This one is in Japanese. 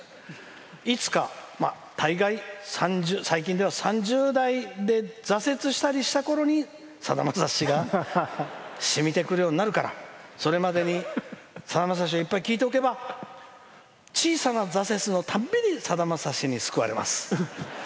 いつか、大概、最近では３０代で挫折したころにさだまさしがしみてくるようになるからそれまでに、さだまさしいっぱい聴いておけば小さな挫折のたんびにさだまさしに救われます。